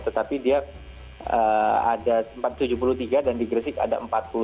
tetapi dia ada empat ratus tujuh puluh tiga dan di gresik ada empat puluh tujuh